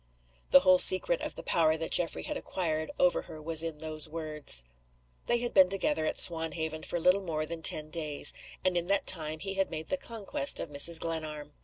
The whole secret of the power that Geoffrey had acquired over her was in those words. They had been together at Swanhaven for little more than ten days; and in that time he had made the conquest of Mrs. Glenarm.